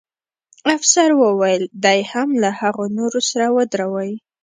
افسر وویل: دی هم له هغه نورو سره ودروئ.